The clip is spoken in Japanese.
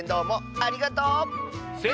ありがとう！